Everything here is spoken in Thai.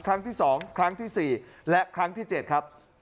ครั้งที่สองครั้งที่สี่และครั้งที่เจ็ดครับ